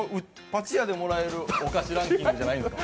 パチ屋でもらえるお菓子ランキングじゃないんですか？